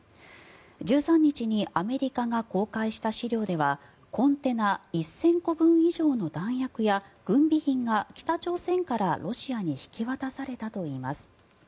１３日にアメリカが公開した資料ではコンテナ１０００個分以上の弾薬や軍備品が北朝鮮からロシアに引き渡されたといいます。